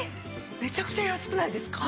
めちゃくちゃ安くないですか？